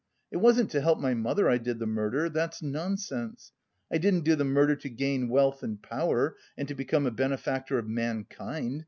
It wasn't to help my mother I did the murder that's nonsense I didn't do the murder to gain wealth and power and to become a benefactor of mankind.